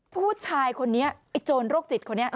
ผู้ชายคนนี้ไอ้โจรโรคจิต